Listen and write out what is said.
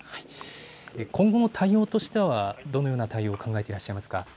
今後の対応としてはどのような対応を考えていますか。